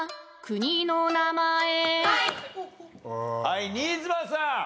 はい新妻さん。